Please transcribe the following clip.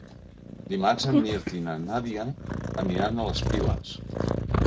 Dimarts en Mirt i na Nàdia aniran a les Piles.